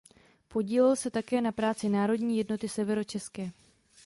Podílel se také na práci Národní jednoty severočeské.